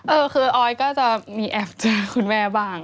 เออคือออยก็จะมีแอบเจอคุณแม่บ้าง